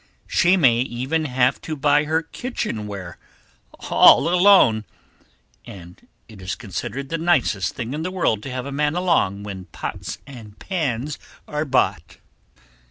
She may even have to buy her kitchen ware all alone, and it is considered the nicest thing in the world to have a man along when pots and pans are bought.